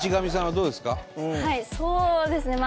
はいそうですね。